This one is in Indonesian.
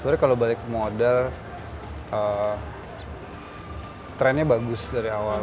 sebenarnya kalau balik modal trennya bagus dari awal